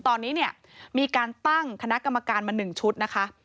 ตอนนี้เนี่ยมีการตั้งคณะกรรมการมา๑ชุดนะคะ